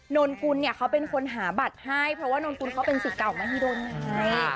นนกุลเนี่ยเขาเป็นคนหาบัตรให้เพราะว่านนกุลเขาเป็นสิทธิ์เก่ามหิดลไง